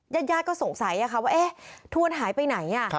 ญาติญาติก็สงสัยว่าเอ๊ะทวนหายไปไหน